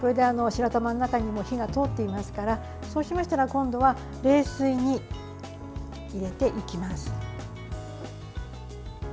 白玉の中に火が通っていますからそうしましたら今度は冷水に入れていきます。